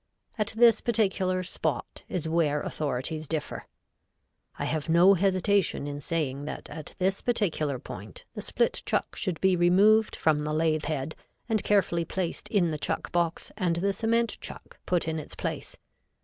At this particular spot is where authorities differ. I have no hesitation in saying that at this particular point the split chuck should be removed from the lathe head and carefully placed in the chuck box and the cement chuck put in its place.